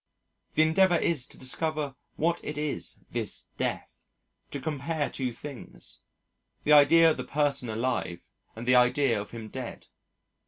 The endeavour is to discover what it is, this Death, to compare two things, the idea of the person alive and the idea of him dead.